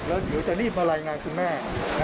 และจะรีบเอาลัยงานคุณแม่